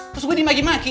terus gue dimaki maki